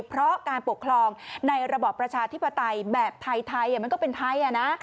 เพราะการปกครองในระบอบประชาธิปไตยแบบไทยมันก็เป็นไทย